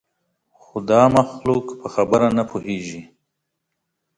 خو دا مخلوق په خبره نه پوهېږي.